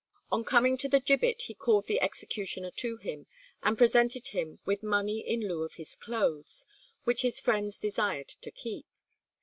On coming to the gibbet he called the executioner to him, and presented him with money in lieu of his clothes, which his friends desired to keep.